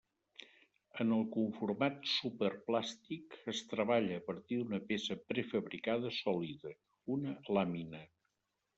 En el conformat superplàstic es treballa a partir d'una peça prefabricada sòlida: una làmina.